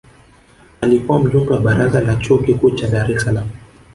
alikuwa mjumbe wa baraza la chuo kikuu cha dar es salaam